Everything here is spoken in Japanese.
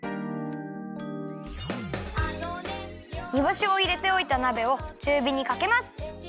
にぼしをいれておいたなべをちゅうびにかけます。